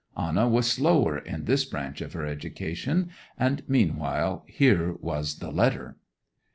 Anna was slower in this branch of her education, and meanwhile here was the letter.